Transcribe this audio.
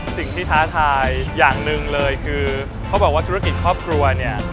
ท้าทายอย่างหนึ่งเลยคือเขาบอกว่าธุรกิจครอบครัวเนี่ย